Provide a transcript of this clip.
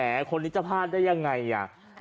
คนนี้จะพลาดได้ยังไงอ่ะ